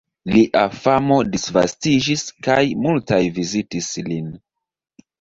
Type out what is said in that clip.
Lia famo disvastiĝis kaj multaj vizitis lin.